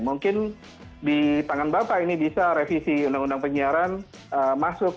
mungkin di tangan bapak ini bisa revisi undang undang penyiaran masuk